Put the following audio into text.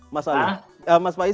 mas fais bisa masak ya